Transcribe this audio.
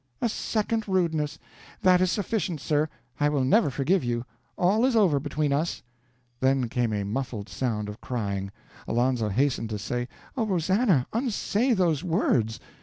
"A second rudeness! That is sufficient, sir. I will never forgive you. All is over between us." Then came a muffled sound of crying. Alonzo hastened to say: "Oh, Rosannah, unsay those words!